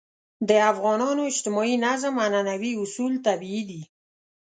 د افغانانو اجتماعي نظم عنعنوي اصول طبیعي دي.